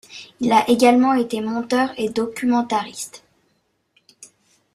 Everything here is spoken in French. Il a également été monteur et documentariste.